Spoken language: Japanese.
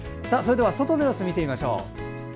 外の様子を見てみましょう。